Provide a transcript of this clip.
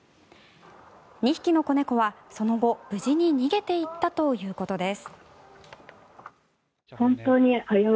２匹の子猫はその後、無事に逃げていったということです。